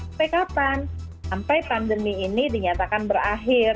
sampai kapan sampai pandemi ini dinyatakan berakhir